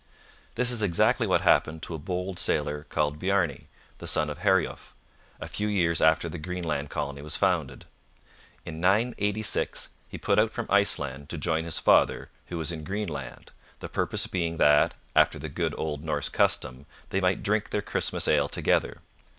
This is exactly what happened to a bold sailor called Bjarne, the son of Herjulf, a few years after the Greenland colony was founded. In 986 he put out from Iceland to join his father, who was in Greenland, the purpose being that, after the good old Norse custom, they might drink their Christmas ale together.